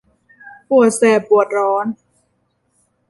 ปวดแสบปวดร้อน